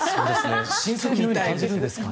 親戚みたいに感じるんですかね。